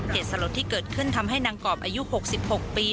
เหตุสลดที่เกิดขึ้นทำให้นางกรอบอายุ๖๖ปี